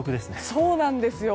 そうなんですよ。